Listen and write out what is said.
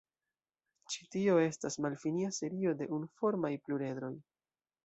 Ĉi tio estas malfinia serio de unuformaj pluredroj.